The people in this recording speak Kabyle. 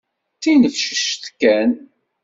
D tinefcect kan.